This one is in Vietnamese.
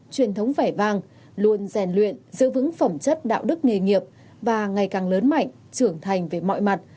truyền thống vẻ vang luôn rèn luyện giữ vững phẩm chất đạo đức nghề nghiệp và ngày càng lớn mạnh trưởng thành về mọi mặt